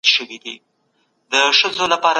هغه مواصلاتي لارې چی جوړي سوي دي سوداګري اسانوي.